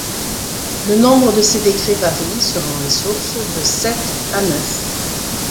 Le nombre de ces décrets varie, selon les sources, de sept à neuf.